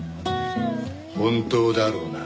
本当だろうな？